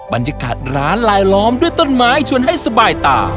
บรรยากาศร้านลายล้อมด้วยต้นไม้ชวนให้สบายตา